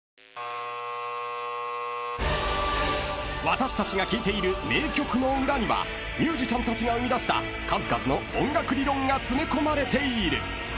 ［私たちが聴いている名曲の裏にはミュージシャンたちが生み出した数々の音楽理論が詰め込まれている］